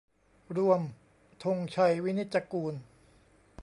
รวม ธงชัย วินิจจะกูล